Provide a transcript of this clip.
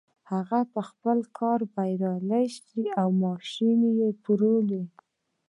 هغه په خپل کار بريالی شو او ماشين يې وپلوره.